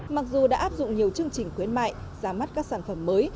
mặc dù đã áp dụng nhiều chương trình khuyến mại ra mắt các sản phẩm mới